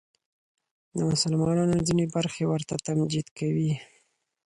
د مسلمانانو ځینې برخې ورته تمجید کوي